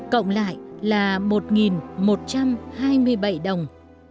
cộng lại là một một trăm hai mươi bảy đồng